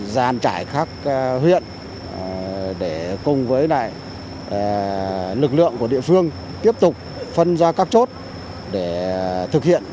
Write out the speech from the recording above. giàn trải các huyện để cùng với lực lượng của địa phương tiếp tục phân ra các chốt để thực hiện